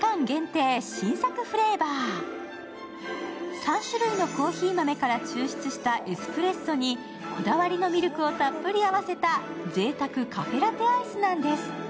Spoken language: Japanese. ３種類のコーヒー豆から抽出したエスプレッソにこだわりのミルクをたっぷり合わせたぜいたくカフェラテアイスなんです。